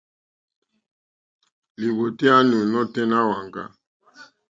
Lìwòtéyá nù nôténá wàŋgá.